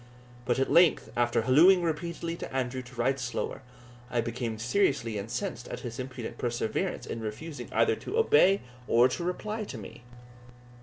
But at length, after hallooing repeatedly to Andrew to ride slower, I became seriously incensed at his impudent perseverance in refusing either to obey or to reply to me.